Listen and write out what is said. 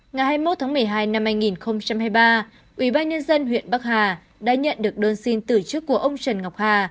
ngày hai mươi một tháng một mươi hai năm hai nghìn hai mươi ba ubnd huyện bắc hà đã nhận được đơn xin tử chức của ông trần ngọc hà